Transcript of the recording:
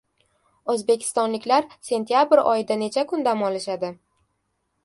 O‘zbekistonliklar sentyabr oyida necha kun dam olishadi?